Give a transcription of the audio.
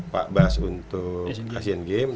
pak bas untuk asian games